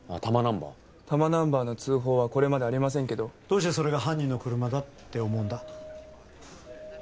多摩ナンバー多摩ナンバーの通報はこれまでありませんけどどうしてそれが犯人の車だって思うんだ？